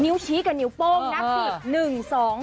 นิ้วชี้กับนิ้วโป้งนักศึก๑๒๓๔